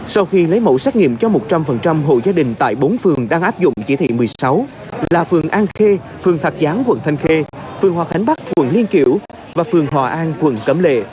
sau khi lấy mẫu xét nghiệm cho một trăm linh hộ gia đình tại bốn phường đang áp dụng chỉ thị một mươi sáu là phường an khê phường thạc gián quận thanh khê phường hòa khánh bắc quận liên kiểu và phường hòa an quận cẩm lệ